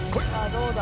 どうだ？